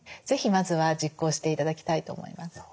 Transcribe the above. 是非まずは実行して頂きたいと思います。